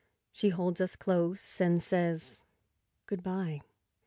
She holds us close and says " Good bye."